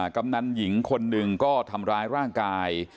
กำนันหญิงคนหนึ่งก็ทำร้ายร่างกาย